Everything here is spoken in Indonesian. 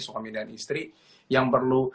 suami dan istri yang perlu